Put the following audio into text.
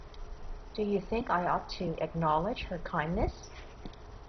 Do you think I ought to acknowledge her kindness?